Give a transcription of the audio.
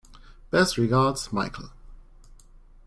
Best regards, Michael